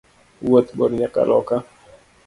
Wuoth bor nyaka loka.